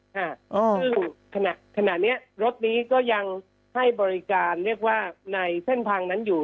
ซึ่งขณะนี้รถนี้ก็ยังให้บริการเรียกว่าในเส้นทางนั้นอยู่